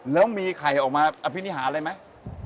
แล้วมีใครออกมาอภินิหารอะไรไหม